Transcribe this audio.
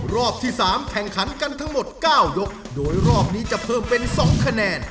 รอบที่๓แข่งขันกันทั้งหมด๙ยกโดยรอบนี้จะเพิ่มเป็น๒คะแนน